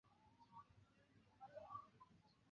今天城隍庙的管理人仍是北门郑家裔孙。